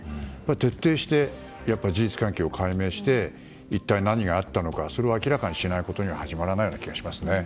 徹底して事実関係を解明して一体何があったのかそれを明らかにしないことには始まらないような気がしますね。